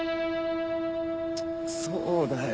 そうだよ